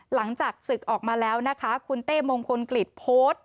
หลังจากศึกออกมาแล้วนะคะคุณเต้มงคลกฤษโพสต์